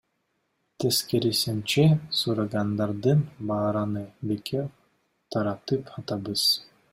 Тескерисинче, сурагандардын баарына бекер таратып атабыз.